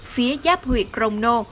phía giáp huyện crono